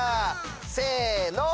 せの！